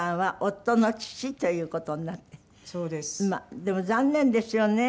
でも残念ですよね。